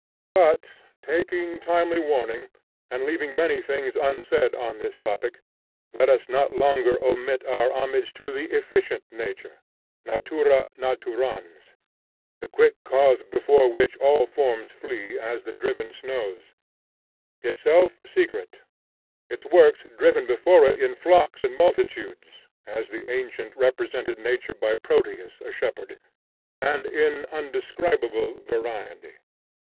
But taking timely warning, and leaving many things unsaid on this topic, let us not longer omit our homage to the Efficient Nature, natura naturans, the quick cause before which all forms flee as the driven snows; itself secret, its works driven before it in flocks and multitudes, (as the ancient represented nature by Proteus, a shepherd,) and in undescribable variety.